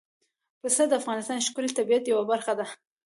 پسه د افغانستان د ښکلي طبیعت یوه برخه ده.